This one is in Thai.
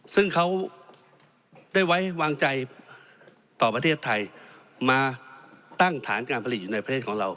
ซึ่งเขาได้ไว้วางใจต่อประเทศไทยมาตั้งฐานการผลิตอยู่ในประเทศของเรา